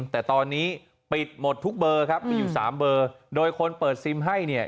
แต่ตอนนี้ปิดหมดทุกเบอร์ครับมีอยู่สามเบอร์โดยคนเปิดซิมให้เนี่ย